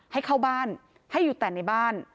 ให้เข้าบ้านให้อยู่แต่ในบ้าน